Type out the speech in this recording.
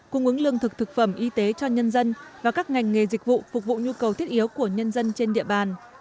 cung ứng lương thực thực phẩm y tế cho nhân dân và các ngành nghề dịch vụ phục vụ nhu cầu thiết yếu của nhân dân trên địa bàn